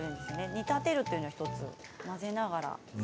煮立てるというのが１つ混ぜながら。